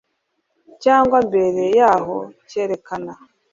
cyangwa mbere yaho cyerekana